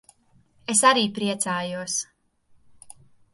Es arī priecājos.